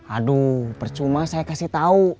aduh percuma saya kasih tahu